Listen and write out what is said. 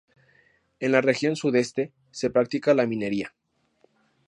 En la región Sudeste, se practica la minería.